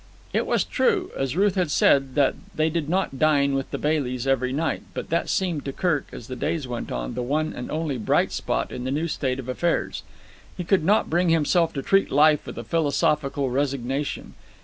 It was true, as Ruth had said, that they did not dine with the Baileys every night, but that seemed to Kirk, as the days went on, the one and only bright spot in the new state of affairs. He could not bring himself to treat life with a philosophical resignation.